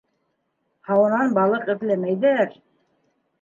Һауанан балыҡ эҙләмәйҙәр.